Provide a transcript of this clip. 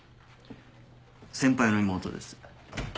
先輩の妹です。